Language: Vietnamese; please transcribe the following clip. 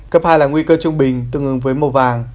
cấp hai là nguy cơ trung bình tương ứng với màu vàng